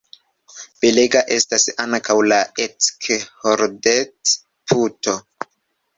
Belega estas ankaŭ la Eckholdt-puto.